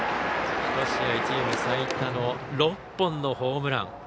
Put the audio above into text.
１試合チーム最多の６本のホームラン。